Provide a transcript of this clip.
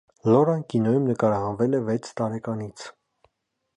Լորան կինոյում նկարահանվել է վեց տարեկանից։